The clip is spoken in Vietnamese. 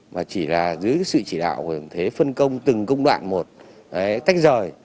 mà chỉ là dưới sự chỉ đạo của thế phân công từng công đoạn một tách rời